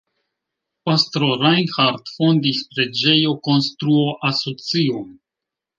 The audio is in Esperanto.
Pastro Reinhardt fondis preĝejokonstruo-asocion.